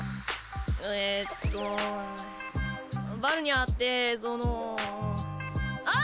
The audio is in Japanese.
えーっとバルニャーってそのあ！